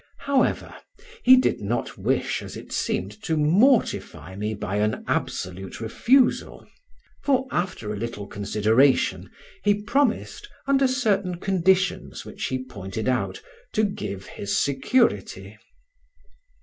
However, he did not wish, as it seemed, to mortify me by an absolute refusal; for after a little consideration he promised, under certain conditions which he pointed out, to give his security.